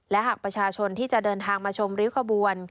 และหากประชาชนที่จะเดินทางมาชมริ้วขบวน